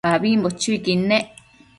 ambimbo chuiquid nec